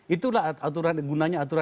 itulah aturan gunanya aturan